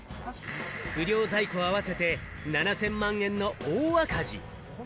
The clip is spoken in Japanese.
不良在庫合わせて７０００万円の大赤字。